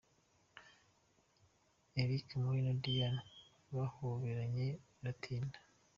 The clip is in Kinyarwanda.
Eric Mpore na Diane bahoberanye biratinda.